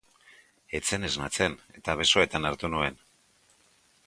Ez zen esnatzen, eta besoetan hartu nuen.